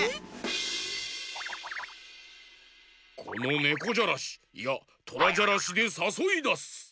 このねこじゃらしいやトラじゃらしでさそいだす！